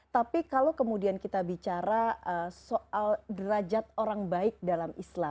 tapi kalau kemudian kita bicara soal derajat orang baik dalam islam